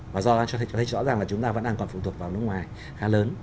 và do đó cho thấy rõ ràng là chúng ta vẫn còn phụ thuộc vào nước ngoài khá lớn